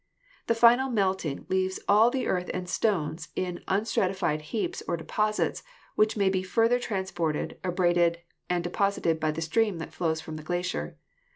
The final melting leaves all the earth and stones in un stratified heaps or deposits, which may be further trans ported, abraded and deposited by the stream that flows from the glacier.